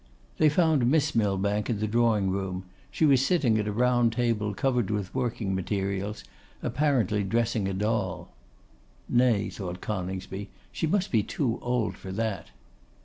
They found Miss Millbank in the drawing room; she was sitting at a round table covered with working materials, apparently dressing a doll. 'Nay,' thought Coningsby, 'she must be too old for that.